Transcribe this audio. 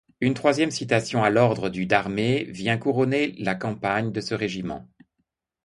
Une troisième citation à l'ordre du d'armée vient couronner la campagne de ce régiment.